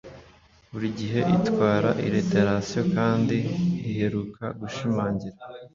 burigihe itwara alliteration kandi iheruka gushimangira